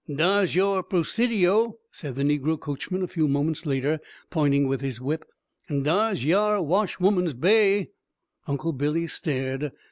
"Dar's yar Presidio!" said the negro coachman a few moments later, pointing with his whip, "and dar's yar Wash'woman's Bay!" Uncle Billy stared.